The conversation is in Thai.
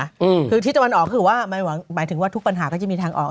อืมคือทิศตะวันออกคือว่าหมายหมายถึงว่าทุกปัญหาก็จะมีทางออก